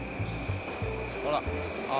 ほらああ。